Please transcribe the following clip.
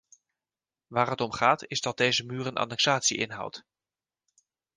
Waar het om gaat is dat deze muur een annexatie inhoudt.